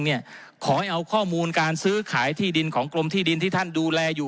ขอให้เอาข้อมูลการซื้อขายที่ดินของกรมที่ดินที่ท่านดูแลอยู่